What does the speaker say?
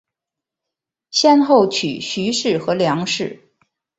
先后娶徐氏和梁氏。